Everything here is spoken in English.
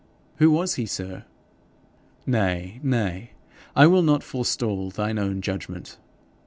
'Who was he, sir?' 'Nay, nay, I will not forestall thine own judgment.